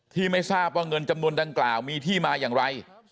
ไม่ทราบว่าเงินจำนวนดังกล่าวมีที่มาอย่างไร